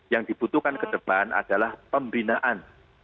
yang dibutuhkan ke depan adalah pembinaan